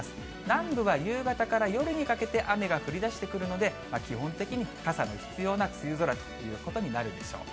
南部は夕方から夜にかけて雨が降りだしてくるので、基本的に傘の必要な梅雨空ということになるでしょう。